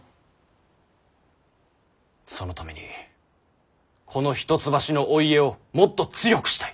そのためにこの一橋のお家をもっと強くしたい。